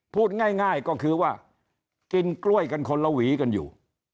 พูดง่ายก็คือว่ากินกล้วยกันคนละหวีกันอยู่